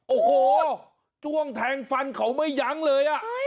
โอ้โหช่วงแทงฟันเขาไม่ยั้งเลย